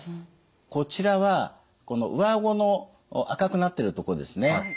こちらはこの上顎の赤くなってるとこですね。